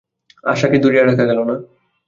আশাকে ধরিয়া রাখা গেল না।